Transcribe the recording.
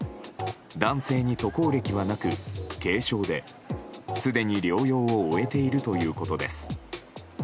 男性に渡航歴はなく軽症ですでに療養を終えているということです。